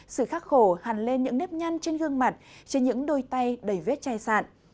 sự khắc khổ hàn lên những nếp nhăn trên gương mặt trên những đôi tay đầy vết chai sạn